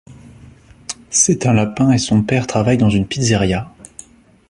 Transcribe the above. C'est un lapin et son père travaille dans une pizzeria.